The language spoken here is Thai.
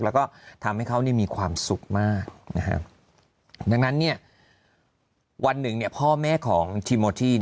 แล้วก็ทำให้เขามีความสุขมากนะครับดังนั้นวันหนึ่งพ่อแม่ของทีโมที่